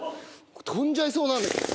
飛んじゃいそうなんだけど。